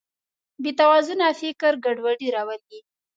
بېتوازنه فکر ګډوډي راولي.